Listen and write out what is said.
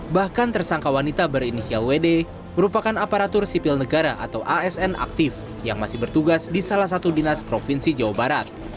bahkan tersangka wanita berinisial wd merupakan aparatur sipil negara atau asn aktif yang masih bertugas di salah satu dinas provinsi jawa barat